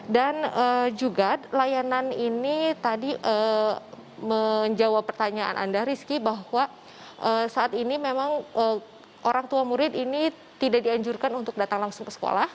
dan juga layanan ini tadi menjawab pertanyaan anda rizky bahwa saat ini memang orang tua murid ini tidak dianjurkan untuk datang langsung ke sekolah